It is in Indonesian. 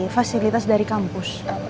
fasilitas dari kampus